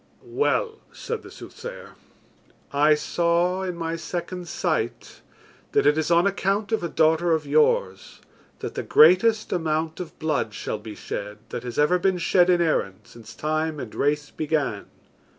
"Well," said the soothsayer, "I saw in my second sight that it is on account of a daughter of yours that the greatest amount of blood shall be shed that has ever been shed in Erin since time and race began.